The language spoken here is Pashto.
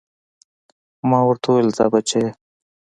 ما ورته وويل ځه بچيه.